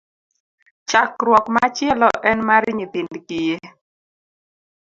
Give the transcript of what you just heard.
Chandruok machielo en mar nyithind kiye.